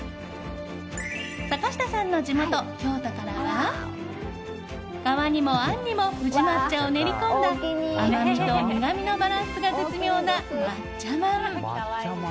坂下さんの地元・京都からは皮にも、あんにも宇治抹茶を練り込んだ甘みと苦みのバランスが絶妙な抹茶まん。